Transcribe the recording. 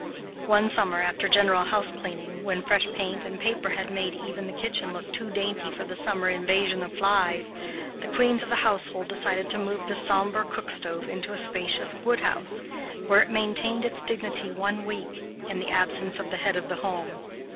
One summer, after general house cleaning, when fresh paint and paper had made even the kitchen look too dainty for the summer invasion of flies, the queens of the household decided to move the sombre cook stove into a spacious woodhouse, where it maintained its dignity one week, in the absence of the head of the home.